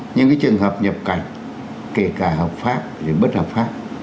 những cái trường hợp nhập cảnh kể cả hợp pháp hay bất hợp pháp